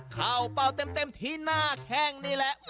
เป่าเต็มที่หน้าแข้งนี่แหละ